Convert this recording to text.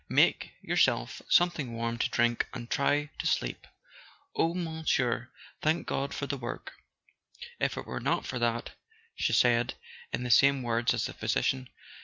Make yourself something warm to drink, and try to sleep " "Oh, Monsieur, thank God for the work! If it were [ 126 ] A SON AT THE FRONT not for that " she said, in the same words as the physician.